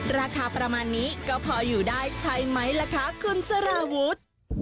ราคาประมาณนี้ก็พออยู่ได้ใช่ไหมล่ะคะคุณสารวุฒิ